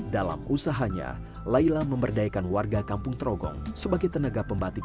dalam usahanya laila memberdayakan warga kampung trogong sebagai tenaga pembatik